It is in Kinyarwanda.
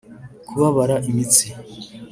kubabara imitsi